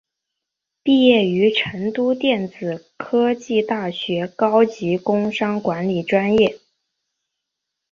毕业于成都电子科技大学高级工商管理专业。